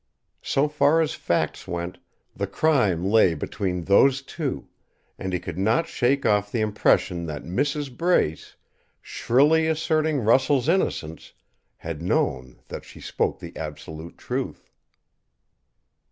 So far as facts went, the crime lay between those two and he could not shake off the impression that Mrs. Brace, shrilly asserting Russell's innocence, had known that she spoke the absolute truth.